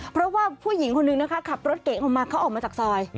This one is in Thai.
เพราะว่าผู้หญิงคนนึงนะคะขับรถเก๋งออกมาเขาออกมาจากซอย